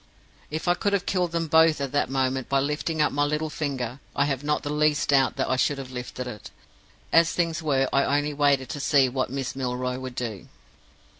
"If I could have killed them both at that moment by lifting up my little finger, I have not the least doubt I should have lifted it. As things were, I only waited to see what Miss Milroy would do.